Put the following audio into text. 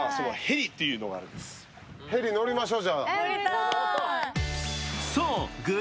ヘリ乗りましょう。